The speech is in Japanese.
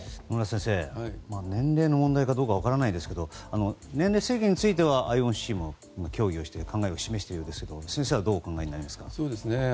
野村先生、年齢の問題かどうかは分からないですが年齢制限についてはＩＯＣも協議をして考えを示しているようですが先生はどうお考えですか。